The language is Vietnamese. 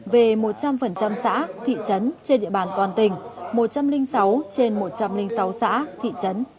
về một trăm linh xã thị trấn trên địa bàn toàn tỉnh một trăm linh sáu trên một trăm linh sáu xã thị trấn